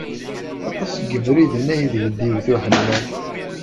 Aṭas n yebriden aydeg d-iwet uḥemmal.